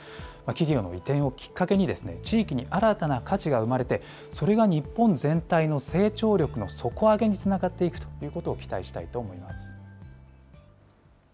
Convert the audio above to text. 企業の移転をきっかけに、地域に新たな価値が生まれて、それが日本全体の成長力の底上げにつながっていくということを期待したいと思います。